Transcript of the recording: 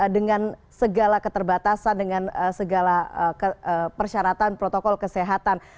dengan segala keterbatasan dengan segala persyaratan protokol kesehatan